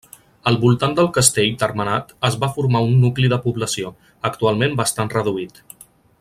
Al voltant del castell termenat es va formar un nucli de població, actualment bastant reduït.